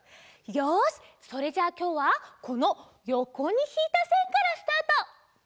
よしそれじゃあきょうはこのよこにひいたせんからスタート。